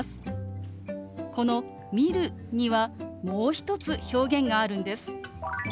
この「見る」にはもう一つ表現があるんです。